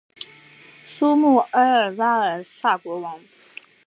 苏穆埃尔拉尔萨国王。